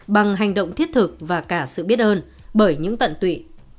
bằng hành động thiết thực và cả sự biết ơn bởi những tận tụy